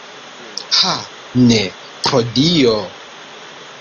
Ha, ne, pro Dio!